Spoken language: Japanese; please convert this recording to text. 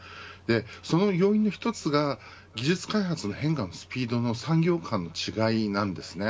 その要因の１つが技術開発の変化のスピードの産業間の違いです。